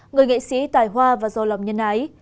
người nghệ sĩ tài hoa và giàu lòng nhân ái